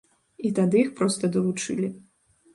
І тады іх проста далучылі.